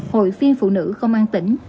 hội phiên phụ nữ không an tỉnh